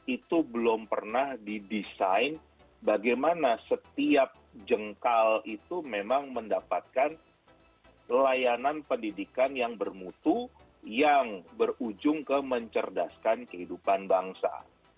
itu belum pernah didesain bagaimana setiap jengkal itu memang mendapatkan layanan pendidikan yang bermutu yang berujung ke mencerdaskan kehidupan bangsa